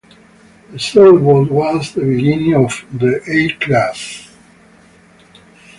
This sailboat was the beginning of the A-Class.